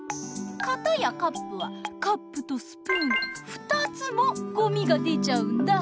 かたやカップはカップとスプーン２つもゴミが出ちゃうんだ。